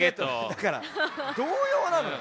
だから童謡なのよ。